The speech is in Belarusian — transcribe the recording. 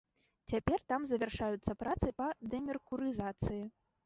Цяпер там завяршаюцца працы па дэмеркурызацыі.